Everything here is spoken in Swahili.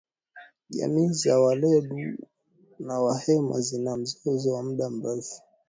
Jamii za walendu na wahema zina mzozo wa muda mrefu.